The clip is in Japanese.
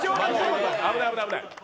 危ない危ない。